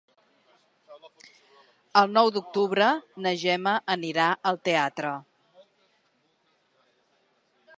El nou d'octubre na Gemma anirà al teatre.